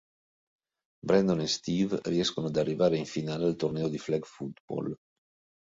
Brandon e Steve riescono ad arrivare in finale al torneo di flag football.